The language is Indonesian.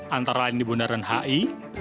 antara lain di bundaran hi